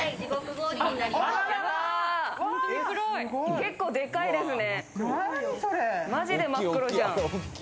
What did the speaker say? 結構デカいですね。